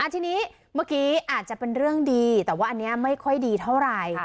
ทีนี้เมื่อกี้อาจจะเป็นเรื่องดีแต่ว่าอันนี้ไม่ค่อยดีเท่าไหร่